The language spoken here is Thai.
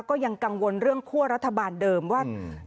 ก็ยังกังวลเรื่องคั่วรัฐบาลเดิมว่า